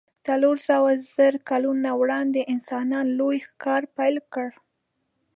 څلور سوو زرو کلونو وړاندې انسانانو لوی ښکار پیل کړ.